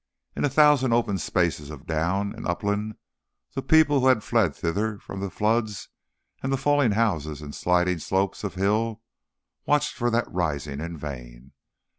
In a thousand open spaces of down and upland the people who had fled thither from the floods and the falling houses and sliding slopes of hill watched for that rising in vain.